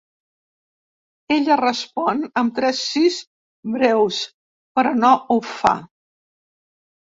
Ella respon amb tres sís breus, però no ho fa.